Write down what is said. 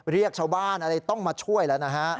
เรียกชาวบ้านอะไรต้องมาช่วยแล้วนะฮะ